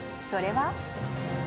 それは。